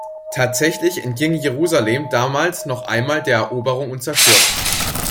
Tatsächlich entging Jerusalem damals noch einmal der Eroberung und Zerstörung.